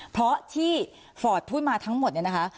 เพราะที่ฟอร์ตพูดมาทั้งหมดเนี่ยนะคะ